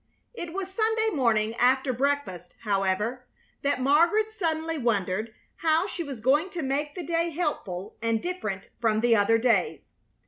It was Sunday morning after breakfast, however, that Margaret suddenly wondered how she was going to make the day helpful and different from the other days.